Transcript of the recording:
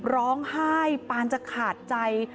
ร้องไห้ปานจะขาดใจ